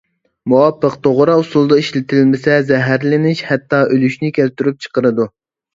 مۇۋاپىق، توغرا ئۇسۇلدا ئىشلىتىلمىسە زەھەرلىنىش ھەتتا ئۆلۈشنى كەلتۈرۈپ چىقىرىدۇ.